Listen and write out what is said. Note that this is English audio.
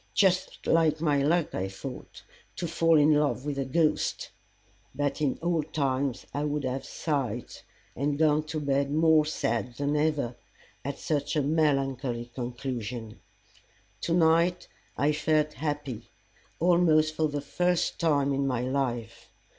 Just like my luck, I thought, to fall in love with a ghost! But in old times I would have sighed; and gone to bed more sad than ever, at such a melancholy conclusion. To night I felt happy, almost for the first time in my life.